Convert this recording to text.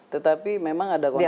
tetapi memang ada konsekuensi